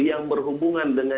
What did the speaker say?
yang berhubungan dengan